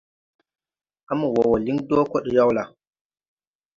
À mo wɔɔ wɔ liŋ dɔɔ kɔɗyaw la?